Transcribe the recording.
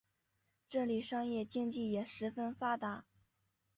这里商业经济也十分发达。